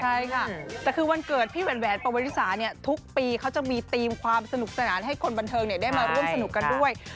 ใช่ค่ะแต่คือวันเกิดพี่แหวนปวริสาเนี่ยทุกปีเขาจะมีธีมความสนุกสนานให้คนบันเทิงได้มาร่วมสนุกกันด้วย